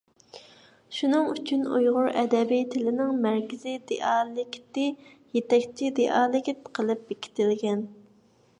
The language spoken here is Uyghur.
شۇنىڭ ئۈچۈن ئۇيغۇر ئەدەبىي تىلىنىڭ مەركىزىي دىئالېكتى يېتەكچى دىئالېكت قىلىپ بېكىتىلگەن.